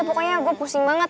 pokoknya gua pusing banget